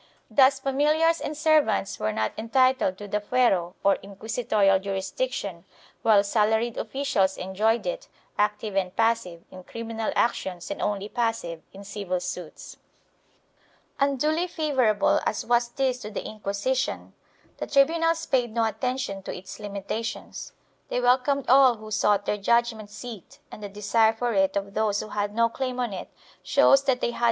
5 Thus familiars and servants were not entitled to the fuero, or inquisitorial jurisdiction, while salaried officials enjoyed it, active and passive, in criminal actions and only passive in civil suits. Unduly favorable as was this to the Inquisition, the tribunals paid no attention to its limitations; they welcomed all wha 1 Instrucciones de 1498, § 2 (Arguello, fol. 12).— Archive de Simancas, Inqui sicion, Libro 939, fol.